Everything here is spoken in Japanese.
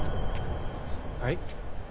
はい？